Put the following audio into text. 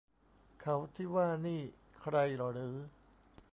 เขาที่ว่านี่ใครหรือ